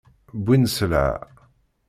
Wwin-d sselɛa.